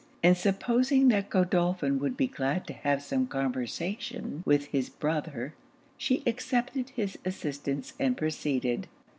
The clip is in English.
And supposing that Godolphin would be glad to have some conversation with his brother, she accepted his assistance and proceeded.